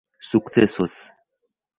sukcesos